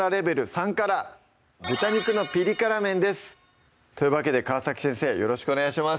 ３辛「豚肉のピリ辛麺」ですというわけで川先生よろしくお願いします